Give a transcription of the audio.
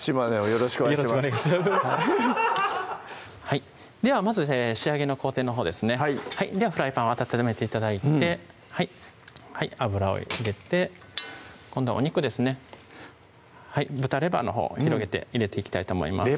よろしくお願いしますではまず仕上げの工程のほうですねではフライパンを温めて頂いて油を入れて今度はお肉ですね豚レバーのほうを広げて入れていきたいと思います